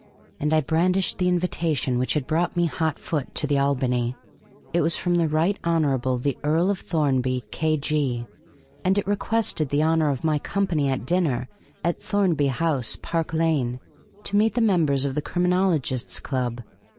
And I brandished the invitation which had brought me hotfoot to the Albany: it was from the Right Hon. the Earl of Thornaby, K.G.; and it requested the honor of my company at dinner, at Thornaby House, Park Lane, to meet the members of the Criminologists' Club.